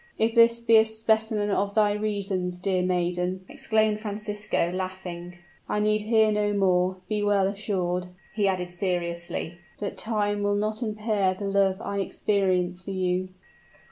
"If this be a specimen of thy reasons, dear maiden," exclaimed Francisco, laughing, "I need hear no more. Be well assured," he added seriously, "that time will not impair the love I experience for you."